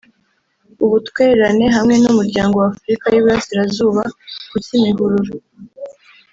ubutwererane hamwe n’Umuryango w’Afurika y’Iburasirazuba ku Kimihurura